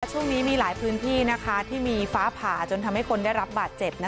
จะมีหลายพื้นที่นะคะที่มีฟ้าผาจนทำให้คนได้รับบาดเจ็บนะ